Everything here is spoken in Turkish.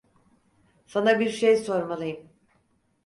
Sana bir şey sormalıyım.